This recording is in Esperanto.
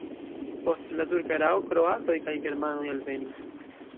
Post la turka erao kroatoj kaj germanoj alvenis.